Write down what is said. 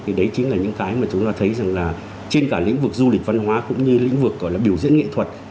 thì đấy chính là những cái mà chúng ta thấy rằng là trên cả lĩnh vực du lịch văn hóa cũng như lĩnh vực gọi là biểu diễn nghệ thuật